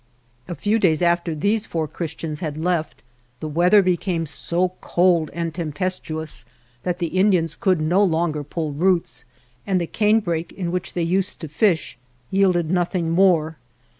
A FEW days after these four Chris tians had left, the weather became so cold and tempestuous that the Indians could no longer pull roots, and the canebrake in which they used to fish yielded nothing more.